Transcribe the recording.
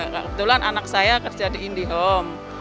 kebetulan anak saya kerja di indihome